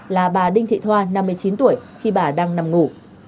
là bà đinh thị thoa năm mươi chín tuổi khi bà đang nằm ngủ